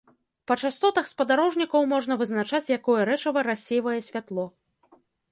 Па частотах спадарожнікаў можна вызначаць, якое рэчыва рассейвае святло.